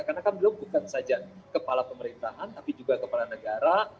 karena kan beliau bukan saja kepala pemerintahan tapi juga kepala negara